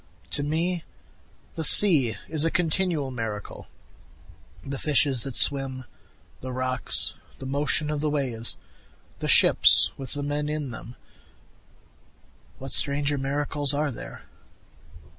To me the sea is a continual miracle, The fishes that swim the rocks the motion of the waves the ships with the men in them, What stranger miracles are there?